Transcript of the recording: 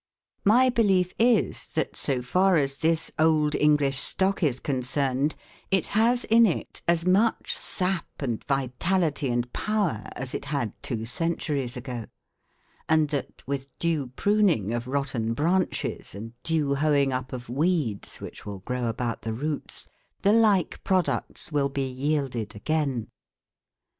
My belief is, that so far as this old English stock is concerned it has in it as much sap and vitality and power as it had two centuries ago; and that, with due pruning of rotten branches, and due hoeing up of weeds, which will grow about the roots, the like products will be yielded again.